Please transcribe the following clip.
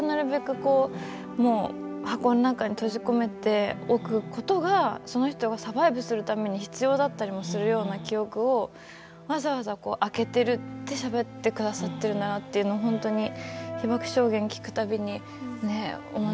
こうもう箱の中に閉じ込めておくことがその人がサバイブするために必要だったりもするような記憶をわざわざ開けてるしゃべってくださってるんだなっていうのを本当に被爆証言聞くたびにね思いますよね。